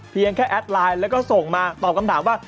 เพียงแค่แอดไลน์แล้วก็ส่งมาตอบคำถามว่า